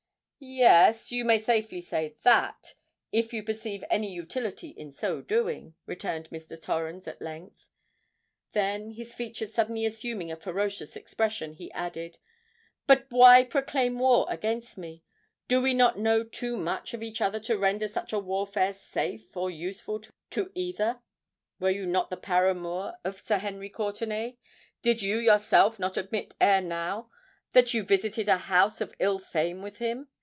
"Yes—you may safely say that, if you perceive any utility in so doing," returned Mr. Torrens at length: then, his features suddenly assuming a ferocious expression, he added, "But why proclaim war against me! Do we not know too much of each other to render such a warfare safe or useful to either? Were you not the paramour of Sir Henry Courtenay?—did you yourself not admit ere now that you visited a house of ill fame with him?